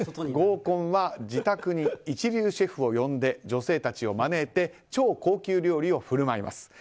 合コンは自宅に一流シェフを呼んで女性たちを招いて超高級料理をふるまいます。